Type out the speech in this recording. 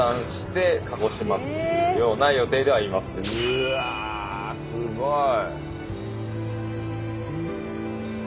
うわすごい。